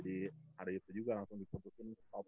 jadi hari itu juga langsung diputusin stop